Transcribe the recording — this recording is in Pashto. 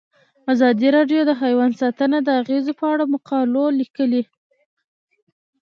ازادي راډیو د حیوان ساتنه د اغیزو په اړه مقالو لیکلي.